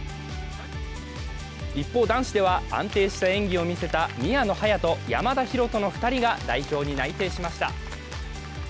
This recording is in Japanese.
一方、男子では安定した演技を見せた宮野隼人・山田大翔の２人が代表に内定しました。